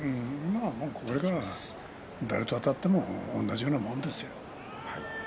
これからは誰とあたっても同じようなもんですよ。